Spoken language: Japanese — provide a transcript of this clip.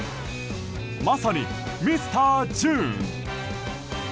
まさにミスター・ジューン。